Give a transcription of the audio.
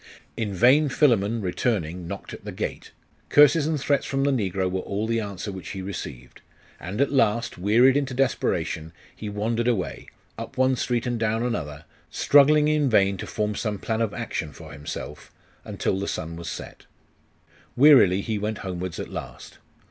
In vain Philammon, returning, knocked at the gate. Curses and threats from the negro were all the answer which he received; and at last, wearied into desperation, he wandered away, up one street and down another, struggling in vain to form some plan of action for himself, until the sun was set. Wearily he went homewards at last.